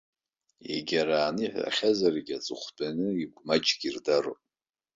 Егьарааны иҳәахьазаргьы, аҵыхәтәан игәы маҷк ирдароуп.